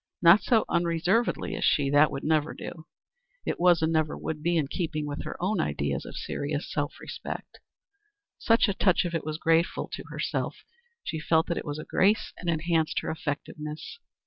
Not so unreservedly as she. That would never do. It was and never would be in keeping with her own ideas of serious self respect. Still a touch of it was grateful to herself. She felt that it was a grace and enhanced her effectiveness.